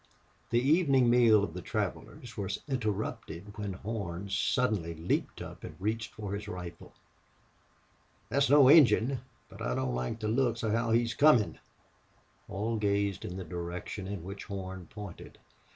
The evening meal of the travelers was interrupted when Horn suddenly leaped up and reached for his rifle. "Thet's no Injun, but I don't like the looks of how he's comin'." All gazed in the direction in which Horn pointed.